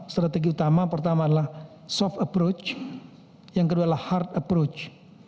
strategi utama pertama adalah soft approach yang kedua adalah hard approach